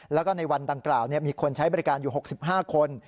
แล้วก็ในวันดังกล่าวมีคนใช้บริการอยู่๖๕คน